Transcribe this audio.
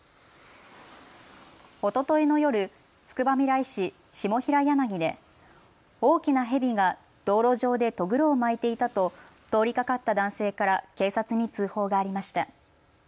おとといの夜、つくばみらい市下平柳で大きなヘビが道路上でとぐろを巻いていたと通りかかった男性から警察に通報がありました。